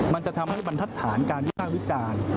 มันจะทำให้บรรทัศน์การวิภาควิจารณ์